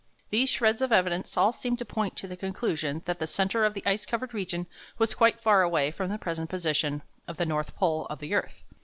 These shreds of evidence all seem to point to the conclusion that the centre of the ice covered region was quite far away from the present position of the north pole of the earth.